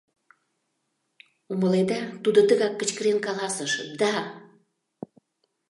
Умыледа, тудо тыгак кычкырен каласыш: «Да!